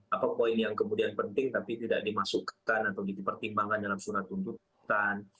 apa poin yang kemudian penting tapi tidak dimasukkan atau dipertimbangkan dalam surat tuntutan